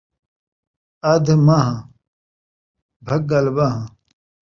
ادھ مانہہ، بھڳل ٻانہہ